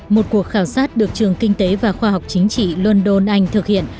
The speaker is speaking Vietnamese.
một cuộc khảo sát được trường kinh tế và khoa học chính trị london anh thực hiện